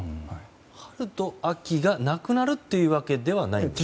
春と秋がなくなるわけではないんですね？